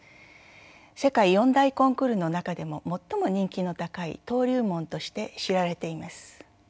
世界４大コンクールの中でも最も人気の高い登竜門として知られています。